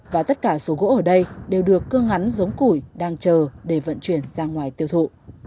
và tất cả số gỗ ở đây đều được cưa ngắn giống củi đang chờ để vận chuyển ra ngoài tiêu thụ